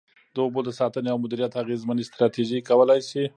د اوبو د ساتنې او مدیریت اغیزمنې ستراتیژۍ کولای شي.